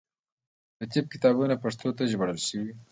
د طب کتابونه پښتو ته ژباړل شوي.